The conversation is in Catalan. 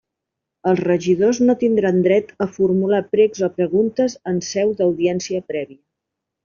Els regidors no tindran dret a formular precs o preguntes en seu d'Audiència Prèvia.